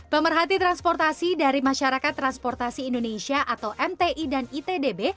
pemerhati transportasi dari masyarakat transportasi indonesia atau mti dan itdb